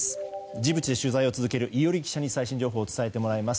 ジブチで取材を続ける伊従記者に最新情報を伝えてもらいます。